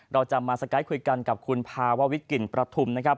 เราจะมาสไกด์คุยกันกับคุณภาววิทกลิ่นประทุมนะครับ